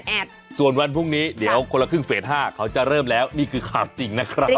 ส่วนวันพรุ่งนี้เดี๋ยวคนละครึ่งเฟส๕เขาจะเริ่มแล้วนี่คือข่าวจริงนะครับ